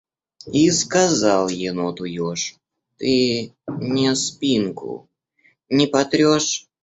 И сказал еноту еж: «Ты мне спинку не потрешь?»